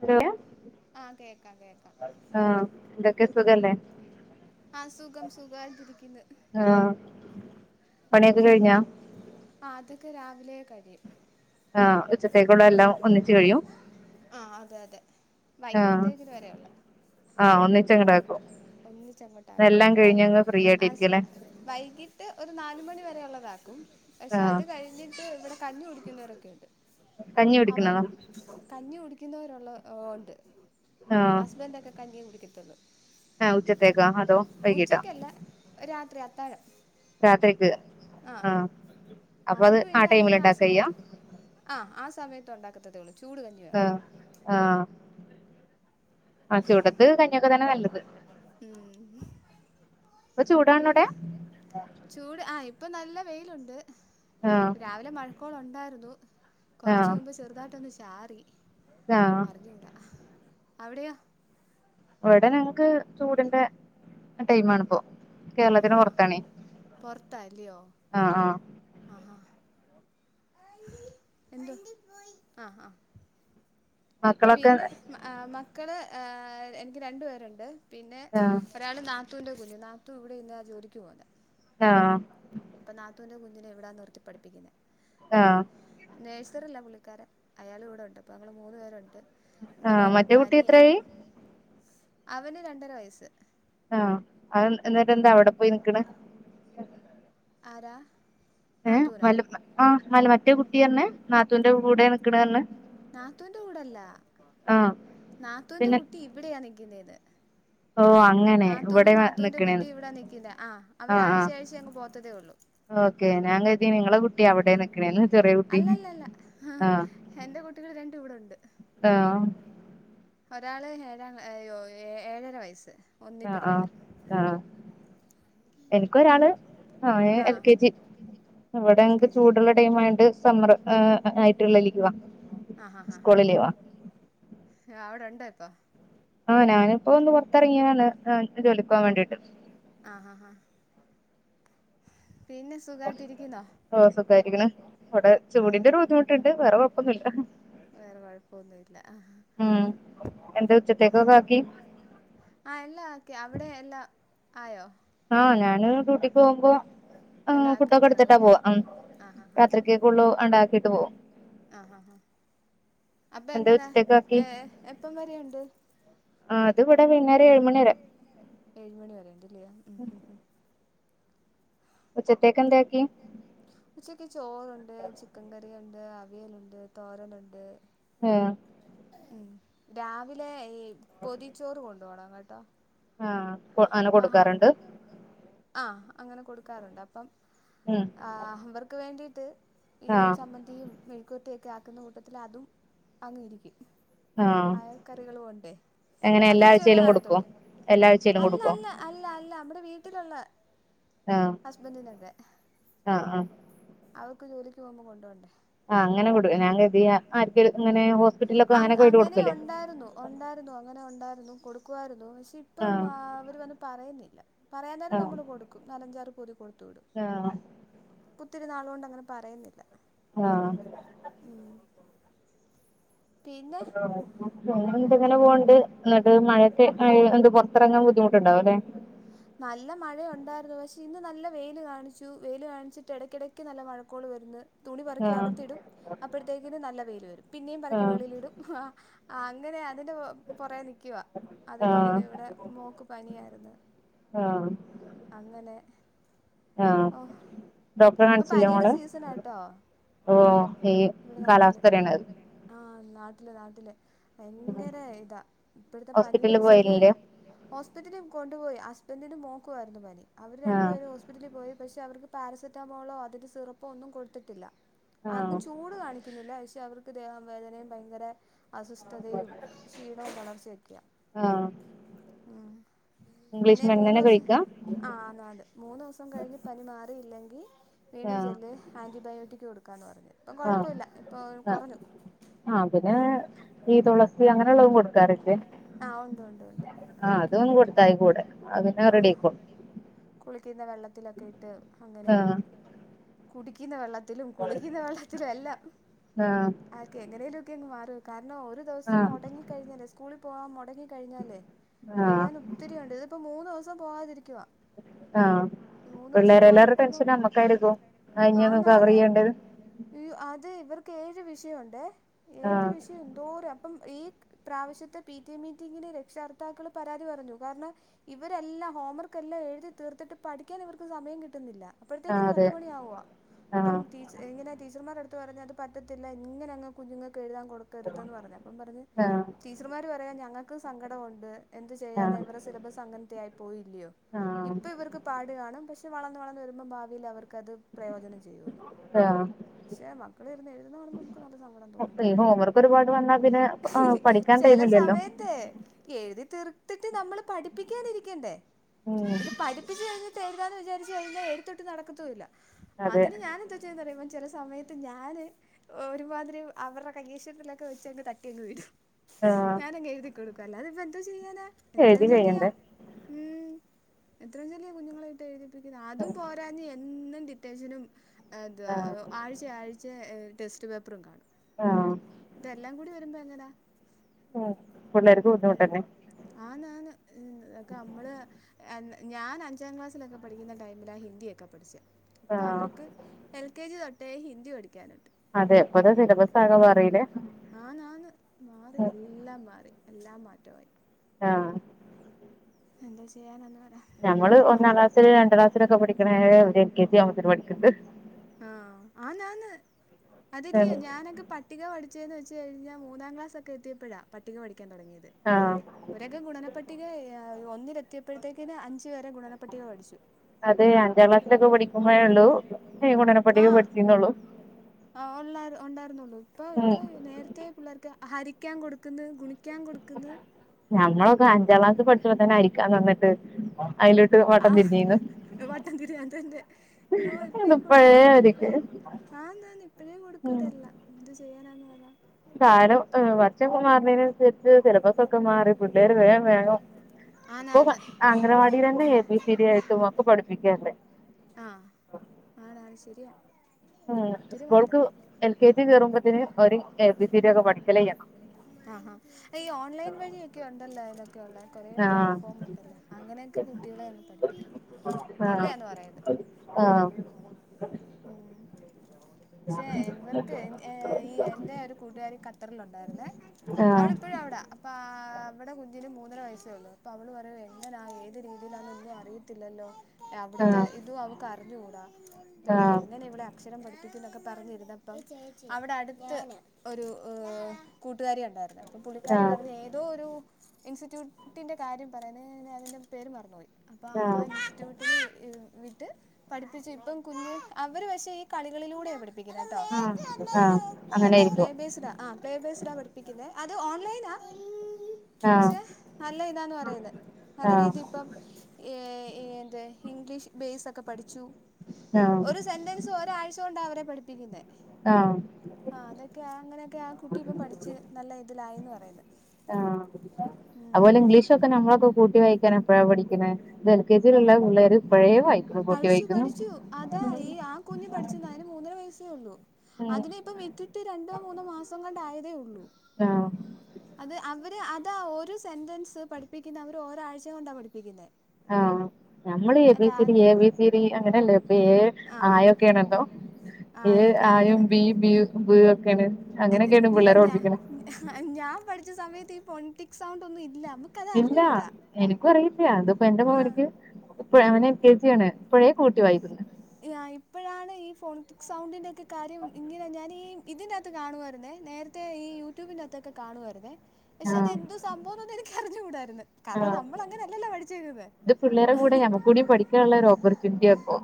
Hello [inaudible] ആഹ്, കേൾക്കാം, കേക്കാം. ആഹ്, എന്തൊക്കെ, സുഖല്ലേ? ആ, സുഖം, സുഖമായിത്തിരിക്കുന്നു. ആഹ്. പണിയൊക്കെ കഴിഞ്ഞാ? ആഹ്, അതൊക്കെ, രാവിലെ കഴിയും. ആഹ്, ഉച്ചത്തേക്കുള്ള എല്ലാം, ഒന്നിച്ച്, കഴിയും. ആഹ്, അതെ അതെ, ആഹ് വൈകിട്ട്ത്തേക്കിന്, വേറെയാ, ഉള്ളേ. ആഹ്, ഒന്നിച്ചങ്ങട ഒന്നിച്ചങ്ങട്ടാക്കും, പിന്നെ വൈ, ഫ്രീ അ ആയിട്ടിരിക്കല്ലേ വൈകിട്ട് ഒരു നാലുമണി വരെയള്ളതാക്കും, പക്ഷെ, ആഹ് അത് കഴിഞ്ഞിട്ട്, ഇവിടെ കഞ്ഞി, കുടിക്ക ക്കുന്നവരൊക്കെയുണ്ട്, കഞ്ഞി കുടിക്കണോ അവർക്ക്, കഞ്ഞി കുടിക്കുന്നവരുള്ള, ഒ ഒണ്ട്. ആഹ് ഹസ്ബന്റൊക്കെ, കഞ്ഞിയേ, കുടിക്കത്തൊള്ളൂ. ആഹ്, ഉച്ച ത്തേക്ക്, ആഹാ ഉച്ചക്കല്ല, രാത്രി അത്താഴം. രാത്രിക്ക്, ആഹ്. അപ്പൊ അത് അവർക്ക് പിന്നെ, ടൈമിൽ അങ്ങനെ ആ ഇണ്ടാക്കയ്യ സമയത്ത്, ആ, ആ സമയത്ത്, ഉണ്ടാക്കത്തത്ള്ളൂ. ആഹ്, ആഹ്, ആ, ചൂടത്ത്, കഞ്ഞിയൊക്കെ തന്നെ, നല്ലത്. മ്മ്, ഹ്ഹ്. പ്പൊ, ചൂടാണോടെ? ചൂട്, ആഹ്, ഇപ്പൊ നല്ല വെയിലുണ്ട്. ആഹ്. രാവിലെ, മഴക്കോളൊണ്ടായിരുന്നു. കൊറച്ച ആഹ് മുമ്പ് ചെറുതായിട്ടൊന്ന്, ചാറി, ആഹ് അറിഞ്ഞുകൂടാ, അവിടെയോ? ഇവിടെ ഞങ്ങക്ക്, ചൂടിന്റെ, ടൈം ആണിപ്പോ. ആഹ് കേരളത്തിന് ആഹ് ആഹ് പുറത്താണെ, പുറത്താ അല്ലയോ ആഹ്, ആഹ്. ആഹ്, ഹാ, എന്ത, ആ, ആഹ്. മക്കളൊക്കെ പിന്നെ, മക്കള്, ഏ, എനിക്ക്, രണ്ട്, പേരുണ്ട്, പിന്നെ ആഹ് ഒരാൾ നാത്തൂൻ്റെ കുഞ്, നാത്തൂൻ, ഇവിടെ ഇന്നാ, ജോലിക്ക്, പോവുന്നെ. ആഹ്. അപ്പൊ, നാത്തൂന്റെ കുഞ്ഞിനെ, ഇവിടാ, നിർത്തിപ്പഠിപ്പിക്കുന്നെ. ആഹ്. നേഴ്സറല്ല പുള്ളിക്കാരൻ, അയാൾ ഇവുടെ ഉണ്ട്, അപ്പൊ, ഞങ്ങൾ മൂന്നു, പേരുണ്ട്. എൻ്റെ ആഹ്, മോൾക്ക് മറ്റേ കുട്ടി, പനിയാ എത്രായി? അവന്, രണ്ടര വയസ്സ്. ആഹ്, അത് എന്നട്ടന്താ, അവിടെ പോയി, നിക്ക്ണ്. ആരാ? ഏഹ്, നാത്തൂനോ വല്ല ആഹ്, മലമറ്റേ, കുട്ടിറഞ്ഞു, നാത്തൂന്റെ, കൂടെ നിക്ക്ണെറഞ്ഞു. നാത്തുന്റെ കൂടെല്ലാ, നാത്തൂന്റെ കുട്ടി, ഇവിടെയാ, നിക്കുന്നേന്ന്. ഓഹ്, അങ്ങ നാത്തൂനും നാത്തൂന്റെ, കുട്ടിയും, ഇവിട നിക്കുന്നെ, ആഹ്, അവരാഴ്ചയാഴ്ച, അങ്, പോത്തതേ, ഉള്ളു. ഓക്കെ, ഞാൻ കരുതി, നിങ്ങളെ കുട്ടി, അവിടെ നിക്കണന്ന്, ചെറിയ, കുട്ടി, ആഹ്. ഹെന്റെ, കുട്ടികൾ രണ്ടും, ഇവിടെണ്ട്. ആഹ്. ഒരാള്, ഏഴാം, അയ്യൊ, ഏ ഏഴര, വയസ്സ്. ഒന്നിൽ ആഹ്, പഠിക്കുന്ന ആഹ്, ആഹ്, എനിക്ക ഒരാള് ആ എൽ കെ ജി ഇവിടെ എൽ കെ ഞങ്ങൾക്ക് ജി ചൂടുള്ള ടൈം ആയോണ്ട് സമ്മർ ആയിട്ടള്ള ലീവാ ആഹാ, ഹാ, ഹാ സ്കൂള് ലീവാ അവിടെ ഉണ്ടോ ഇപ്പൊ ആഹ് ഞാനിപ്പൊ ഒന്ന് പുറത്തിറങ്ങിയാണ്, [unintelligible] ജോലിക്കൊവാൻ വേണ്ടിട്ട് ആഹ ഹ ഹ പിന്നെ സുഖമായിട്ടിരിക്കുന്നോ ഓഹ്, സുഖ ആയിരിക്കാണ്. ഇവിടെ ആ ഹാ ചൂടിന്റെ ഒര് ബുദ്ധിമുട്ടുണ്ട് വേറെ കൊഴപ്പൊന്നില്ല. വേറെ കൊഴപ്പൊന്നും, ഇല്ല ആഹ് ഉം എന്താ ഉച്ചത്തേക്കൊക്കെ ആക്കി ആഹ് എല്ലാ ആക്കി അവിടെ എല്ലാ ആയോ? ആഹ് ഞാന് ഡ്യൂട്ടിക്ക് പോകുമ്പോ എല്ലാം മ്മ്ഹ് ആക്കിയിട്ട് ഫുട്ടൊക്കെ എടുത്തിട്ടാ ഇറങ്ങുമല്ലേ പോവാ മ്മ്ഹ്ഹ് ആ ഹാ ഹാ രാത്രിക്ക് ഫുള്ള് ഉണ്ടാക്കിട്ട് പോവും ആഹ്, ഹാ ഹ അപ്പൊ എന്താ എങ്ങനാ ഉച്ചത്തേക്കാക്കി ഏ എപ്പം വരെ ഇണ്ട്? ആ അത് ബ്ടെ പിന്നെ ഒരു ഏഴുമണിവരെ ഏഴ് മണി വരെ ഉണ്ടലെ ഉച്ചത്തേക്ക് എന്താക്കി? ഉച്ചക്ക് ചോറുണ്ട്, ചിക്കൻ കറി ഉണ്ട് അവിയലുണ്ട് തോരനുണ്ട് ഏ ഉഹ്, രാവിലെ ഈ പൊതിച്ചോറ് കൊണ്ട് പോകണം കേട്ടോ. ആഹ് അങ്ങനെ അപ്പ ആഹ് കൊടുക്കാറുണ്ട് [unintelligible] ആഹ് അങ്ങനെ കൊടുക്കാറുണ്ട് അപ്പം മ് ആഹ് അവർക്ക് വേണ്ടിയിട്ട് ഈ ആഹ് ചമ്മന് ന്തിയും മെഴുക്കുപുരട്ടിയൊക്കെ ആക്കുന്ന കൂട്ടത്തില് അതും [unintelligible] യിരിക്കും ആഹ് അയൽക്കറികളും ഉണ്ടേ എങ്ങനെ അത് എല്ലാ ഉച്ച വരെ ആഴ്ചയിലും കൊടുക്കോ കാണത്തുള്ളൂ എല്ലാ ആഴ്ചയിലും അല്ല, കൊടുക്കോ അല്ല അല്ല, അല്ല നമ്മടെ വീട്ടിലുള്ള ആഹ് ഹസ്ബൻറിനൊക്കെ, ആഹ് ആഹ് അവർക്ക് ജോലിക്ക് പോകുമ്പോൾ കൊണ്ടോവണ്ടേ ആഹ്, അങ്ങനെ കൊടുക്ക ഞാൻ കരുതി ആർകേലും ഇങ്ങനെ ഹോസ് അഹ് അങ്ങനെ ഉണ്ടായിരുന്നു. ഉണ്ടായിരുന്നു അങ്ങനെ ഉണ്ടായിരുന്നു കൊടുക്കുവായിരുന്നു, പക്ഷെ ഇപ്പം ആഹ് അവർ വന്ന് പറയുന്നില്ല. പറയാൻ നേരം ആഹ് നമ്മൾ കൊടുക്കും നാലാഞ്ചർ പൊതി കൊടുത്തു വിടും ആഹ് ഇപ്പൊ ഒത്തിരിന്നാളുകൊണ്ട് അങ്ങനെ പറയുന്നില്ല. ആഹ് മ് പിന്നെഹ് മ്മ്ഹ്ഹ് പിന്നെ ഇപ്പൊ [unintelligible] ഏങ്ങന [unintelligible] എന്നിട്ട് മഴത് മഴ പുറത്തിറങ്ങാൻ ബുദ്ധിമുട്ടുണ്ടാവുംലെ നല്ല മഴ ഉണ്ടായിരുന്നു, പക്ഷെ ഇന്ന് നല്ല വെയില് കാണിച്ചു വെയില് കാണിച്ചിട്ട് ഇടക്കിടക്ക് നല്ല മഴക്കോള് വരുന്ന്. തുണി പൊറുക്കി ആഹ് അകത്തിടും അപ്പോഴത്തേക്കിന് നല്ല വെയില് വരും പിന്നെയും പറക്കി ആഹ് വെളയിലിടും മ്മഹ് അഹ് ആഹ് അങ്ങനെ അതിൻ്റെ പുറകേ നിൽക്കുവ അതി്ന്റെ ആഹ് പിന്നെ ഇവിടെ മോക്ക് പനിയാരുന്നു ആഹ് അങ്ങനെ ആഹ് ഓ ഡോക്ടറെ ഇപ്പൊ കാണിച്ചില്ലേ പനിയുടെ മോളെ? സീസണാട്ടോ ഓഹ് ഈഹ് കാലാവസ്ഥടെയാണ് അത് ആഹ് നാട്ടിൽ, നാട്ടിൽ ഭയങ്കര ഇതാ ഇപ്പഴത്തെ പനീന്ന് ഹോസ്പിറ്റലിൽ വെച്ച് കഴിഞ്ഞാൽ പോയിരുന്നില്ലേ ഹോസ്പിറ്റലിൽ കൊണ്ടുപോയി, ഹസ്ബൻഡിനും മോൾക്കും ആയിരുന്നു പനി അവര് ആഹ് രണ്ടപേരും ഹോസ് പിറ്റലിൽ പോയി, പക്ഷേ അവർക്ക് പാരസെറ്റമോളോ അതിൻ്റെ സിറപ്പോ ഒന്നും കൊടുത്തിട്ടില്ല ആഹ് ആർക്കും ചൂട് കാണിക്കുന്നില്ല, പക്ഷെ അവർക്ക് ദേഹം വേദനയും ഭയങ്കര അസ്വസ്ഥതയും ക്ഷീണവും തളർച്ചയും ഒക്കെയാ. ആഹ് ഉഹ് ഇംഗ്ലീഷ് പിന്നെ മരുന്നന്നെ മൂന്ന്സം കഴിക്കാ ആഹ് ആന്ന്‌ ആന്ന് മൂന്നുസം കഴിഞ്ഞ് പനി മാറിയില്ലെങ്കി വീണ്ടും ആഹ് ചെല്ല് ആൻറ്റിബയോട്ടിക്ക് കൊടുക്കാം. ക്കാന്ന് പറഞ് ഇപ്പം ആഹ് കുഴപ്പല്ല ഇപ്പോൾ ആഹ് കൊറഞ്ഞു ആഹ് പിന്നെഹ് ഈ തുളസി അങ്ങനെയുള്ളതും കൊടുക്കാറില്ലേ? ആ ഉണ്ട് ഉണ്ട് ഉണ്ട് ആഹ് അത് അങ്ങ് എന്തൊക്കെയുണ്ട് കൊടുത്തതി കൂടെ അത് പിന്നെ റെഡി ആയിക്കോളും കുളിക്ക്ന്ന വെള്ളത്തിലൊക്കെ ഇട്ട് അങ്ങനേം ആഹ് കുടിക്ക്ന്ന വെള്ളത്തിലും കുളിക്കുന്ന വെള്ളത്തിലും എല്ലാം ആഹ് ആക്കെ എങ്ങനേലു ഒക്കയങ് മാറും കാരണം ഒരു ദിവസം ആഹ് മൊടങ്ങി കഴിഞ്ഞലെ സ് സ്കൂളി പോവാ മൊടങ്ങി കഴിഞ്ഞാലേ ആഹ് എഴുതാനൊത്തിരിയ്ണ്ട് ഇതിപ്പോ മൂന്ന് ദുവസം പോവാതിരിക്കുവാ ആഹ് പിള്ളേരലേറെ പോവാതിരിക്കുമ്പം ടെൻഷനമ്മക്കായിര്ക്കും കഴിഞ്ഞത് കവറയ്യണ്ടേ യ് അത് ഇവർക്കേഴ് വിഷയൊണ്ടേ ഏഴ് ആഹ് വിഷയം എന്തോര ഇപ്പം ഈ പ്രാവിശ്യത്തെ പി ടി എ മീറ്റിങ്ങിന് രക്ഷകർത്താക്കള് പരാതി പറഞ്ഞു കാരണം ഇ ഇവരെല്ലാം ഹോംവർക്കെല്ലാം എഴുതി തീർത്തിട്ട് പഠിക്കാനിവർക്ക് സമയം കിട്ട്ന്നില്ല. ആഹ് അപ്പോഴത്തേക്ക്ന് അതെ പത്ത് മണിയാവുവാ ആഹ് അപ്പം ടീച്ച ഇങ്ങനെ ടീച്ചർമാരടുത്ത് പറഞ്ഞ് അത് പറ്റത്തില്ല ഇങ്ങനങ്ങ് കുഞ്ഞുങ്ങക്ക് എഴുതാൻ കൊടുക്കരുതെന്ന് പറഞ്ഞ്. അപ്പം പറഞ്ഞ് ആഹ് ടീച്ചർമാര് പറയാ ഞങ്ങക്കും സങ്കടവുണ്ട് എന്ത് ചെയ്യാനാ ആഹ് ഇവരെ സിലബസ് അങ്ങനത്തെയായി പോയില്ല്യയോ? ഇപ്പൊ ആഹ് ഇവർക്ക് പാട് കാണും പക്ഷെ വളന്ന് വളന്ന് വരുമ്പം ഭാവിയിലവർക്ക് ക്കത് പ്രയോജനം ചെയ്യൂന്ന്. പക്ഷെ മക്കളിരുന്ന് എഴ്ത്‌ന്നേ കാണുമ്പോ മ്മക്ക് നല്ല സങ്കടം തോന്നും കേട്ടോ ക്കൊരുപാട് വന്നാ പിന്നെ ആഹ് പഠിക്കാൻ ടൈമില്ലല്ലോ! തേ എഴ്തി തീർത്തിട്ട് നമ്മള് പഠിപ്പിക്കാനിരിക്കണ്ടേ? ഉം ഇത് പഠിപ്പിച്ച് കഴിഞ്ഞ ട്ട് എഴ്താന്ന് വിചാരിച്ച് കഴിഞ്ഞാ എഴുത്തൊട്ടും നടക്കൊത്തുവില്ല അതെ അതിന് ഞാനെ [unintelligible] ചെല സമയത്ത് ഞാന് ഒരുമാതിരി അവര്ടെ കയ്യക്ഷരത്തിലൊ ക്കെ വെച്ചങ്ങ് തട്ടിയങ്ങ് വിടും ആഹ് ഞാനങ് എഴ്തി കൊടുക്കും അല്ലാതെപ്പോ എന്തോ ചെയ്യാനാ! എഴുതി എത്രെന്ന് ചെല്ലിയാ കഴിയണ്ടേ മ് എത്രെന്ന് ചെല്ലിയ കുഞ്ഞുങ്ങളയിട്ട് എഴുതി ക്ക്ന്നേ അതും പോരാഞ് എന്നും ഡിറ്റേഷനും എന്തുവാ ആഹ് ആഴ്ചയാഴ്ച ച്ചേ ഏ ടെസ്റ്റ് പേപ്പറും കാണും ആഹ് പ്പെ എല്ലാം കൂടി വരുമ്പോ എങ്ങനാ! ഉം പുള്ളേർക്ക് ബുദ്ധിമുട്ടല്ലെ ആന്ന് ആന്ന് ഇതൊക്കെമ്മള് അല്ല ഞാനഞ്ചാം ക്ലാസ്സിലൊക്കെ പഠിക്കുന്ന ടൈമിലാ ഹിന്ദിയൊക്കെ പഠിച്ചേ ആഹ് ഇപ്പവർക്ക് എൽ കെ ജി തൊട്ടേ ഹിന്ദി പഠിക്കാനുണ്ട്. അതെ ഇപ്പോത്തെ സിലബസാകെ മാറീല്ലേ ആന്നാന്ന് മാറി എല്ലാം മാറി എല്ലാം മാറ്റമായി. ആഹ് എന്തോ ചെയ്യാനെന്ന്‌ പറാ? ഞമ്മള് ഒന്നാം ക്ലാസില് രാണ്ടാം ക്ലാസിലൊക്കെ പഠിക്കണത് ഓര് എൽ കെ ജി ആവുമ്പോത്തിന് പഠിക്ക്ണ്ട്. ആഹ് ആന്നാന്ന് അതല്ല്യയോ ഞാനൊക്കെ പത്ത് പട്ടിക പഠിച്ചേന്ന് വെച്ച് കഴിഞ്ഞാ മൂന്നാം ക്ലാസൊക്കെ എത്തിയപ്പഴ പട്ടിക പഠിക്കാൻ തൊടങ്ങിയത്. ആഹ് ഒരാക്ക് ഗുണനപട്ടിക ഒന്നിലെത്തിയപ്പോഴത്തേക്കിന് അഞ്ച് വെരെ ഗുണനപട്ടിക പഠിച്ചു. അതെ അഞ്ചാം ക്ലാസ്സിലൊക്കെ പഠിക്കുമ്പേയൊള്ളു ആ ആ ഒണ്ടായിരു ഒണ്ടായിരുന്നോന്നു ഇപ്പൊ ഉം ഇപ്പൊ നേരത്തെ തെ പുള്ളേർക്ക് ഹരിക്കാൻ കൊട്ക്ക്ന്ന് ഗുണിക്കാൻ കൊട്ക്ക്ന്ന് ഞമ്മളൊക്കെ അഞ്ചാം ക്ലാസ് പഠിച്ചപ്പതന്നെ അരിക്കാതന്നിട്ട് അയിലോട്ട് വട്ടം തിരിഞ്ഞീന്നു. വട്ടംതിരിയതന്നേ അയ്യോ ഇപ്പേ ഇതിപ്പഴേ പിള്ളാർക്കൊക്കെ എപ്പഴ അവര്ക്ക് ആന്നന്ന് ഇപ്പഴേ കൊടുകുതെല്ലാം എന്ത് ചെയ്യാനാന്ന് പറ. കാരം വർച്ചൊക്ക മാറതിനനുസരിച്ച് സിലബസ്സ ഒക്കെ മാറി ആന്നാന്ന് [unintelligible] അംഗനവാടീലന്നെ എ ബി സി ഡിയായിട്ടും ഒക്കെ പഠിപ്പിക്ക്ണ്ട് ആ ങാ... അതാണ്.. ശെരിയാ. ഉം.. സ്കൂൾക്ക് എൽ കെ ജി കേറുമ്പോത്ത്ന് ഓര് എ ബി സി ഡി യൊക്കെ പഠിക്കലയ്യണ്. ങാ.. ഹാ.. ഈ ഓൺലൈൻ വഴിയൊക്കെണ്ടല്ലെ ഇതൊക്കെയൊ ള്ളേ? കൊറേ ആഹ് പ്ലാറ്റ്ഫോംമുണ്ടല്ലോ.. അങ്ങനെയൊക്കെ കുട്ടികളെയങ്ങ് പഠിപ്പിക്കും. നല്ലയാന്ന് പറയ്‌ന്ന്. ങാ... ക്ഷേ... ഇവർക്ക്.. ഈ.. എൻറെ ഒരു കൂട്ടുകാരി ഖത്തറിലുണ്ടായിരുന്നേ. ആഹ് അവളിപ്പഴും അവിടാ. അപ്പ.. അ... അവടെ കുഞ്ഞിന് മൂന്നര വയസ്സേള്ളു. അപ്പ അവള് പറയ എങ്ങനാ.. ഏത് രീതിയിലാന്നൊന്നും അറിയത്തില്ലല്ലോ. അവിടുത്തെ ആഹ് ഇതും അവക്ക് അറിഞ്ഞുകൂടാ. പിന്ന ആഹ് എങ്ങനെ ഇവളെ അക്ഷരം പഠിപ്പിക്കുന്നൊക്കെ പറഞ്ഞിരുന്നപ്പം, അവിട അടുത്ത് ഒരു കൂട്ടുകാരി ഒണ്ടാരുന്ന്. അപ്പം.. പുള്ളിക്കാരി ആഹ് പറഞ്ഞ ഏതോ ഒരു.. ഇൻസ്റ്റിറ്റ്യൂട്ടിൻ്റ കാര്യം പറയുന്ന്‌ ഞാൻ അതിൻ്റ പേര് മറന്നുപോയി. അപ്പൊ ആ ആഹ് ഇൻസ്റ്റിറ്റ്യൂ ട്ട് വിട്ട്.. പഠിപ്പിച്ച് ഇപ്പം കുഞ്ഞ്.. അവര് പക്ഷേ ഈ കളികളിലൂടെയാ പഠി പ്പിക്കുന്നട്ടോ.. ആഹ് ആഹ് ങാ... അങ്ങനെയിരിക്കും പ്ലേബേയ്സ്ടാ. ങാ.. പ്ലേബെയ്സ്ടാ പഠിപ്പിക്കുന്നേ... അത്.. ഓൺലൈനാ. ആഹ് പക്ഷെ.. നല്ല ഇതാന്ന് പറയുന്ന്‌. നല്ല ആഹ് രീതിപ്പം എ.. എന്ത്.. ഇംഗ്ലീഷ് ബേസ് ഒക്കെ പഠിച്ചു. ആഹ് ഒരു സെന്റൻ സൊരാഴ്ച കൊണ്ടാ അവരെ പഠിപ്പിക്കുന്നേ. ങാ... ങാ.. അതൊക്കെ.. അങ്ങനൊക്കെ.. ആ കുട്ടി ഇപ്പം പഠിച്ച്.. നല്ല ഇതിലായിന്ന് പറയുന്ന്‌. ങാ.. അതുപോലെ ഇംഗ്ലീഷൊക്കെ നമ്മളൊക്കെ കൂട്ടി വായിക്കൻ എപ്പഴാ പഠിക്കണെ..? ഇതെ ൽ ക്കേ ജി ലുള്ള പിള്ളേര് ഇപ്പഴേ... വായിക്ക്.. കൂട്ടി പഠിച്ചു വായിക്കുന്നു. പഠിച്ചു അതാ.. ഈ.. ആ കുഞ്ഞ് പഠിച്ചത് അതിന് മൂന്നര വയസ്സേ ഉള്ളൂ. അതിനെ ഇപ്പം വിട്ടി ട്ട് രണ്ടോ മൂന്നോ മാസങ്ങണ്ടായതേ ഉള്ളൂ. ങാ... അത് അവര് അതാ ഒരു സെൻറൻസ് പഠിപ്പിക്കുന്നെ അവര് ഒരാഴ്ച കൊണ്ടാ പഠിപ്പിക്കുന്നെ. ങാ... നമ്മള് A B C D, A B C D അങ്ങനല്ലേ.. ഇപ്പൊ എ ആ ആയ ഒക്കെയണണ്ടോ. ആ ഏ ഓക്കെ അ യും അങ്ങനെ ബി ബ് യും ഒക്കെയാണ്. അങ്ങനക്കെയാണ് പിള്ളാരെ പഠിപ്പിക്കണെ. ങ്.. ഹ്ഹ.. ഞാൻ പഠിച്ച സമയത്ത് ഈ ഫോണിറ്റിക്സ് സൗണ്ടൊന്നും ഇല്ലന്ന്‌ ഇല്ല.. എനിക്കും അറിയത്തില്ല, അതിപ്പോ എന്റെ ആ മോനിക്ക്. ഇപ്പഴ.. അവനെൽ കെ ജി ആണ് ഇപ്പോഴേ കൂട്ടി വായിക്കും. ങാ.. ഇപ്പഴാണ് ഈ ഫോണിട്ടിക് സൗണ്ടിൻ്റെൊക്കെ കാര്യം ഇങ്ങനെ ഞാനീ ഇതിന്റെകത്ത് കാണുവാരുന്നേ.. നേരത്തെ ഈ യൂട്യൂബിന്റകത്തൊക്കെ കാണുവാരുന്നേ.. പക്ഷെ ആഹ് അതെന്തു സംഭവെന്തുവാന്നെനിക്കറിഞ്ഞുകൂടായിരുന്ന്‌. കാരണം ആഹ് നമ്മൾ അങ്ങനെ അല്ലല്ലോ പഠിച്ചേക്കുന്നെ. ങ്.. ഹ്ഹ്. കൂടി പഠിക്കാനുള്ള ഒരു ഓപ്പർച്യൂണിറ്റിയാപ്പോ.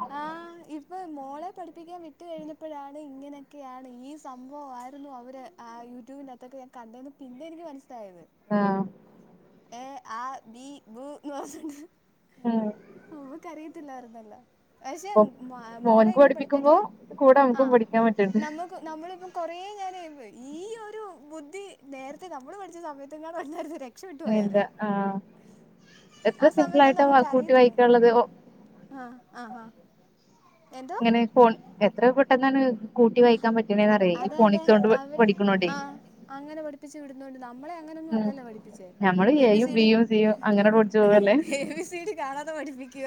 ഇപ്പോ മോളെ പഠിപ്പിക്കാൻ വിട്ട് കഴിഞ്ഞപ്പഴാണ്.. ഇങ്ങനൊക്കെയാണ്.. ഈ സംഭവമാരുന്നു അവര് ങാ.. യൂട്യൂബിന്റകത്തൊക്കെ ഞാൻ കണ്ടെന്ന് പിന്നെയാ എനിക്ക് മനസ്സിലായത്. ങാ... എ ആ ബി ബ് ന്ന് പറഞ്ഞിട്ട് മ്മ്... നമ്മ്ക്കറിയത്തില്ലാരുന്നല്ലൊ. പക്ഷെ.. ഇപ്പൊ മ്.. മ.. മോളെ മോൻക്ക് എങ്ങനെ പഠിപ്പിക്കുമ്പോ പഠിപ്പിക്കാ.. കൂടെ ങാ.. നമുക്കും പഠിക്കാൻ പറ്റ്ണ്ട് നമ്മു നമ്മളിപ്പം കൊറേ നേരം ഇരുന്ന്. ഈ ഒരു ബുദ്ധി നേരത്തെ നമ്മൾ പഠിച്ച സമയത്തങ്ങാനും ആരുന്നാരുന്നേ രക് ക്ഷപെട്ടു പോയേനെ. എന്താ ആഹ് ആ എത്ര സിമ്പിൾ സമയത്തൊന്നും ആയിട്ടാ നമുക്ക് കൂട്ടി അറിയത്തില്ലാര് [unintelligible] ങാ.. ങാ.. ങാ.. ഇങ്ങനെ ഫോൺ എത്ര പെട്ടെന്നാണ് കൂട്ടി വായിക്കാൻ പറ്റണേന്ന്റിയ ഈ അതെ അതെ ഫോണിക്സോണ്ട് അവര് പഠിക്കണോണ്ടേ. ആ അങ്ങനെ പഠിപ്പിച്ച് വിടുന്നോണ്ട് നമ്മളെ അങ്ങനെന്നും ഉം അല്ലല്ലോ പഠിപ്പിച്ചേ ഞമ്മള് എ ബി എയും സി ഡി. ബിയും സിയും അങ്ങനെട് പഠിച്ചു പോവല്ലേ എബി സി ഡി കാണാതെ പഠപ്പിക്ക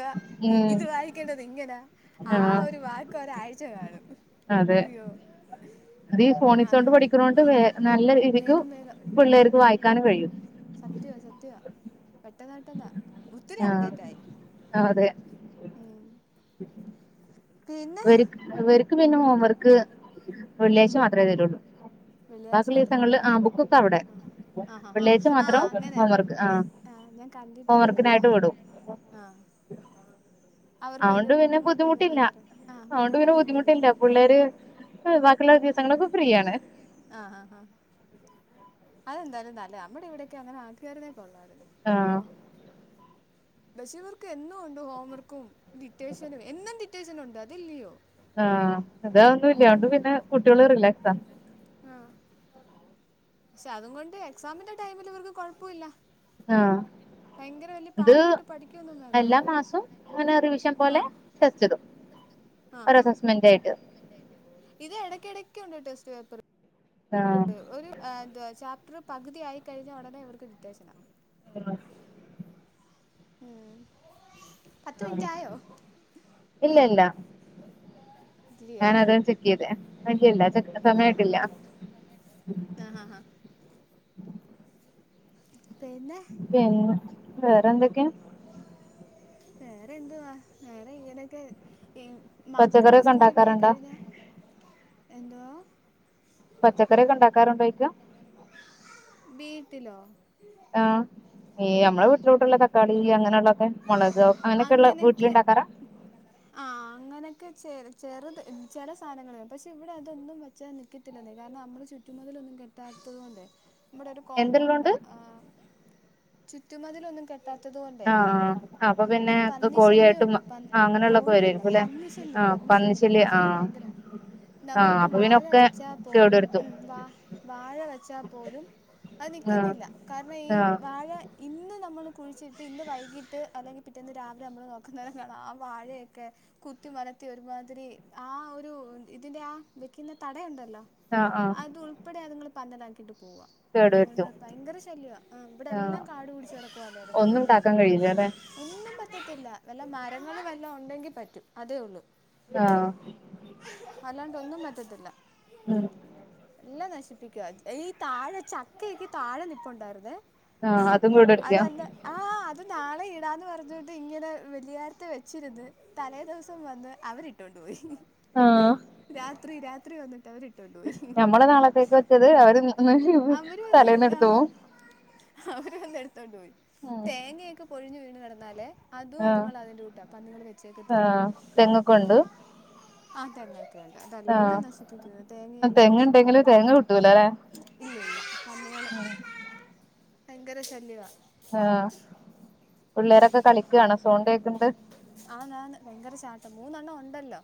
ഉം ഇത് വായിക്കേണ്ടത് ഇങ്ങനാ ആ ആഹ് ഒരു വാക്ക് ഒരാഴ്ച കാണും. അതെ അ അത് ഈ ഫോണിക് സോണ്ട് പഠിക്കുന്നോണ്ട് നല്ല രീതിക്ക് വേഗം വേഗം ഉം പിള്ളേർക്ക് ഉം വായിക്കാൻ കഴിയും സത്യവാ സത്യവാ പെട്ടെന്ന് പെട്ടെന്നാ ഒത്തിരി അപ്ഡേറ്റ് ആയി ആ അതെ ഉം [inaudible] പിന്നെ ഇവര്ക് ഇവര്ക് പിന്നെ ഹോം വർക്ക് ഉം. വെള്ളിയാഴ്ച മാത്രെ തരുള്ളു വെള്ളിയാഴ്ച ബാക്കുള്ള മാത്രേ ദിവസങ്ങളിൽ ഉള്ളില് ആ ബുക്കൊക്കെ അവടെ ഉം ആഹ് ആഹ് ആഹ് വെള്ളിയാഴ്ച ആ മാത്രം അങ്ങനെ ഹോം വർക്ക് ആ ആഹ് ഹോംവർക്കിനായിട്ട് വിടും ആ അവർക്ക് ഭയങ്കര ബുദ്ധിമുട്ടൊന്നുല്ല പറി അ ഓണ്ട് പിന്നെ ബുദ്ധിമുട്ടില്ല പിള്ളേര് ബാക്കിയുള്ള ദിവസങ്ങളൊക്കെ ഫ്രീ ആണ് ആ ആ ആ അതെന്തായാലും നല്ല നമ്മടെ ഇവിടെയൊക്കെ അങ്ങനെ ആക്കിയർന്നെ കൊള്ളാരുന്നു ആ ബഷീ വർക്ക് എന്നും ഉണ്ട് ഹോംവർക്കും ഡിറ്റേഷനും എന്നും ഡിറ്റേേഷനും ഉണ്ട് അതല്ലയോ ആ അതന്നും ഇല്ല അ ഓണ്ട് പിന്നെ കുട്ടികള് റിലാക്സ്‌ടാ ആ പക്ഷെ അതും കൊണ്ട് എക്സാമിന്റെ ടൈമിൽ ഇവർക്ക് കുഴപ്പല്ല ആ ഇത് പാടുപെട്ട് പഠിക്കൊന്നും വേണ്ട എല്ലാ മാസവും ഇങ്ങനെ റിവിഷൻ പോലെ ടെസ്റ്റിടും അ ആ ഇത് ഇടക്ക ഇടക്കുണ്ട് ടെസ്റ്റ് പേപ്പർ ആ ഒരു എ ന്തുവാ ചാപ്റ്റർ പകുതി ആയിക്കഴിഞ്ഞ ഉടനെ ഇവർക്ക് ഡിറ്റേഷനാ ആ ഉം പത്ത് ആ മിനിറ്റ് ആയോ ഇല്ലല്ല ഞാൻ ഇല്ലയോ അതന്ന ചെക്കിയ്തെ വണ്ടല്ല സമയായിട്ടില്ല ആ ആ പിന്നെ പിന്നെ വേറെ എന്തൊക്കെയാ വേറെ എന്തുവാ നേരെ ഇങ്ങനൊക്കെ മക്കള് പച്ചക്കറിയൊക്കെ സ്കൂളി പോയി ഉണ്ടാക്കാറുണ്ടോ കഴിഞ്ഞ എന്തോ പച്ചക്കറി ഒക്കെ ഉണ്ടാക്കാറണ്ടോയിക്ക വീട്ടിലോ ആ ഈ നമ്മടെ വീട്ടിലോട്ടുള്ള തക്കാളി അങ്ങനെയുള്ളൊക്കെ മുളക് അങ്ങനൊക്കെയള്ള വീട്ടില ഉണ്ടാക്കാറാ ആ അങ്ങനൊക്കെ ചെ ചെറുത് ചെല സാധനങ്ങള പക്ഷെ ഇവിടെ അതൊന്നും ചാ നികത്തില്ലെന്നേ കാരണം നമ്മള് ചുറ്റുമതലൊന്നും കെട്ടാത്തത് കൊണ്ടെ ഇവിടെ ഒരു എന്തുള്ളോണ്ട് കോമ്പൗണ്ടാ ചുറ്റുമതിലൊന്നും കെ ട്ടാത്തത് കൊണ്ടേ ആഹ് ആഹ് അപ്പൊ ഈ പിന്നെ കോഴിയായിട്ടും പന്നിശല്യംണ്ട് പ ആഹ് അങ്ങനെയുള്ളൊക്കെ കോഴിയല്ല വരുവായിരിക്കുംല്ലേ പന്നി ആഹ് പന്നി ശല്യം പന്നി പന്നിശല്യം ശല്യം ആഹ് ഭയങ്കര ആഹ് നമ്മളിപ്പോം അപ്പൊ വാഴ പിന്നൊക്കെ വെച്ചാൽ കേടു പോലും വരുത്തും ഉം വാ വാഴ വെച്ചാൽ പോലും അ ആഹ് നിക്കുന്നില്ല കാരണം ഈ ആഹ് വാഴ ഇന്ന് നമ്മള് കുഴിച്ചിട്ട് ഇന്ന് വൈകിട്ട് അല്ലെങ്കി പിറ്റേന്ന് രാവിലെ നമ്മള് നോക്കുന്നത് [unintelligible] ആ വാഴയൊക്കെ കുത്തി മരത്തി ഒരുമാതിരി ആ ഒരു ഇതിന്റെ ആ വെക്കുന്ന തടയുണ്ടല്ലോ ആഹ് ആഹ് അത് ഉൾപ്പെടെ അതുങ്ങള്ൾ പന്തലാക്കിട്ട് പോവാ കേടു നിങ്ങളുടെ വരുത്തും ഭയങ്കര ശല്യ ഇവിടെ ആഹ് എല്ലാം കാട് പിടിച്ച് കിടക്കുവല്ലങ്ങ ഒന്നും കൊണ്ട് ഉണ്ടാക്കാൻ കഴിയില്ലല്ലേ ഒന്നും പറ്റത്തില്ല വല്ല മരങ്ങള് വല്ല ഉണ്ടെങ്കി പറ്റും അതേ ഉള്ളൂ ആ അല്ലാണ്ട് ഒന്നും പറ്റത്തില്ല ഉം എല്ലാം നശിപ്പിക്കവാ ഈ താഴെ ചക്കയക്ക് താഴെ നിപ്പണ്ടായിരുന്നേ ആഹ് അതും കേടു അത വരുത്തിയോ അല്ല ആ അത് നാളെ ഇടാന്ന് പറഞ്ഞുകൊണ്ട് ഇങ്ങനെ വെലിയരത്തെ വെച്ചിരുത് തലേ ദിവസം വന്ന് അവരിട്ടോണ്ട് പോയി ആ രാത്രി രാത്രി വന്നിട്ട് അവര് ഞമ്മള നാളത്തേക്ക് വെച്ചത് അവര് അവർ [unintelligible] വന്ന് തലേന്ന് ആ, എടുത്തു പോവും അവര് വന്ന് എടുത്തോണ്ട് പോയി ഉം തേങ്ങയൊക്കെ പൊഴിഞ്ഞു വീണ് കിടന്നാലേ അതും ആഹ് അതുങ്ങളതിന്റെ കൂട്ടാ അപ്പങ്ങൾ വെച്ചേക്കത്തില്ല ആഹ് തെങ്ങൊക്കെ ഉണ്ട് ആ തന്നെ ആഹ് അതെല്ലാം നശിപ്പിക്കുന്നത് തേങ്ങയെല്ലാം തെങ്ങുണ്ടെങ്കില് നശിപ്പിക്കുന്നത് തേങ്ങ കിട്ടൂല അല്ലെ [unintelligible] ഭയങ്കര ശല്യമാ ആ പിള്ളേരൊക്കെ കളിക്കാണോ സോണ്ടൊക്കെണ്ട് ആ ഞാൻ ഭയങ്കര ചാട്ടം മൂന്നെണ്ണം ഉണ്ടല്ലോ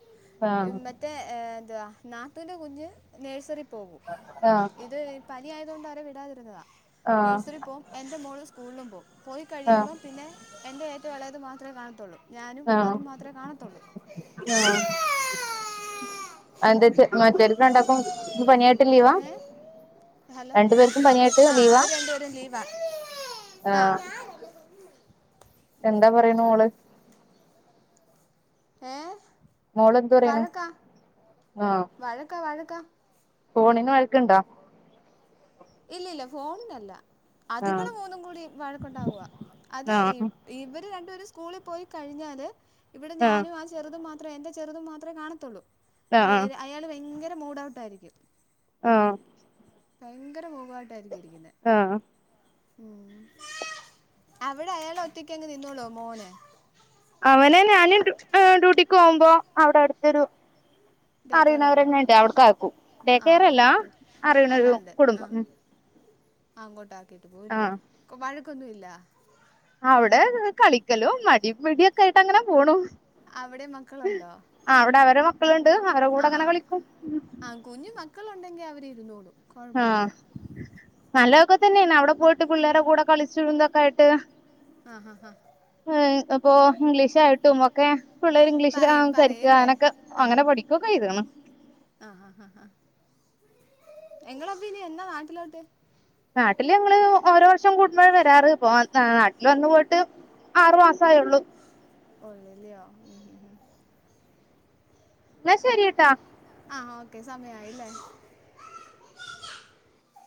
ആഹ് മറ്റേ എന്തുവാ നാത്തൂൻ്റെ കുഞ്ഞ് നേഴ്സറി പോകും ആ ഇത് പനിയായത കൊണ്ട അവര വിടാതിരുന്നതാ ആഹ് നേഴ്സറി പോവും എൻ്റെ മോള് സ്കൂളിലും പോവും പോയി ആഹ് കഴിയുമ്പം പിന്നെ എൻ്റെ ഏറ്റവും അളയത് മാത്രമേ കാണത്തുള്ളൂ ഞാനും അതും മാത്രമേ കാണത്തുള്ളൂ ആ അത് എന്താച്ചാ മറ്റേരുക്കണ്ടാക്കും പനിയായിട്ടില്ലീവാ ഏ ഹലോ ആ അവര് രണ്ട പേരും ലീവാ ആ ആഹ് എന്താ പറയണ മോള് ഏഹ് മോള് എന്ത് പറയ്ണ് വഴക്കാ വഴക്ക വഴക്കാ ഫോണീന് വഴക്ണ്ടോ ഇല്ലില്ല ഫോണിനല്ല ആഹ് അതുങ്ങളും മൂന്നും കൂടി വഴക്കുണ്ടാവുവ അത് ഈ ആഹ് ഇവര് രണ്ടുപേരും സ്കൂളിൽ പോയി കഴിഞ്ഞാല് ഇവിടെ ആഹ് ഞാനും ആ ചെറുതും മാത്രേ എൻറെ ചെറുതും മാത്രെ കാണത്തുള്ളൂ ആഹ് അയാൾ ഭയങ്കര മൂഡൗട്ട് ആയിരിക്കും ആ ഭയങ്കര മുഖമായിട്ടായിരിക്കും ഇരിക്കുന്നത് ആ ഉം അവിടെ അയാള ഒറ്റക്ക് അങ്ങ് നിന്നോളൂ മോനെ അവനെ ഞാന് ഡ്യൂട്ടിക്ക് പോകുമ്പോ അവിടെ അടുത്തൊരു ഡേ കെയർ ഉണ്ടോ അറിയുന്നവരെന്നേണ്ട് അവിടക്കാക്കും ഡേ ആ അവിടെ കെയറല്ല ആക്ക് അറിയണ ഒരു അല്ലാണ്ട് കുടുംബം ഉം ആ അങ്ങോട്ട് ആക്കിയിട്ട് പോവല്ലയൊ ആഹ് വഴക്കൊന്നുല്ല അവിടെ കളിക്കലും മടി മടിയൊക്കെ ആയിട്ട് അങ്ങനെ പോണു അവിടെ മക്കളുണ്ടോ ആ അവിടെ അവരു മക്കളുണ്ട് അവരെ കൂടെ അങ്ങനെ കളിക്കും ആ കുഞ്ഞു മക്കള ഉണ്ടെങ്കിൽ അവരി ഇരുന്നോളൂ ആ നല്ലതൊക്കെ തന്നെയാണ് അവിടെ പോയിട്ട് പിള്ളേരെ കൂടെ കളിച്ചന്തൊക്കെ ആയിട്ട് ആ ഹാ ഹാ ഹ്മ്മ് അപ്പൊ ഇംഗ്ലീഷായിട്ടും ഒക്കെ പിള്ളേര് ഇംഗ്ലീഷിൽ പറയും സംസാരിക്ക പറയല്ലേ അങ്ങാനക്കെ അങ്ങനെ പഠിക്കുകൊക്കെ ചെയ്തിണ് ആ ഹാ ഹാ എങ്ങള അപ്പോനി എന്നാ നാട്ടിലോട്ട്? നാട്ടില് ഞങ്ങള് ഓരോ വർഷം കൂടുമ്പൊഴ വരാറ് ഇപ്പ നാട്ടിൽ വന്നു പോയിട്ട് ആറു മാസായുള്ളൂ ഒള്ളില്യോ എന്ന ശരിട്ടാ ആഹ് ഓക്കെ സമയായില്ലേ